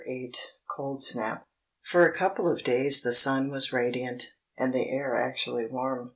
VIII A Cold Snap FOR a couple of days the sun was radiant, and the air actually warm.